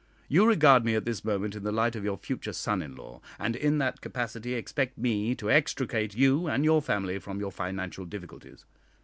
You regard me at this moment in the light of your future son in law, and in that capacity expect me to extricate you and your family from your financial difficulties.